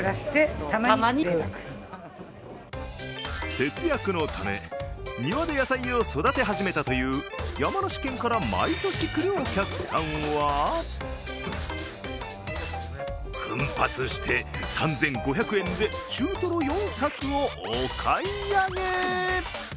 節約のため、庭で野菜を育て始めたという山梨県から毎年来るお客さんは奮発して３５００円で中トロ４柵をお買い上げ。